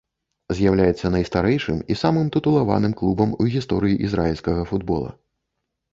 З'яўляецца найстарэйшым і самым тытулаваным клубам у гісторыі ізраільскага футбола.